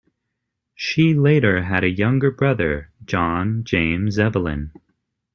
She later had a younger brother, John James Evelyn.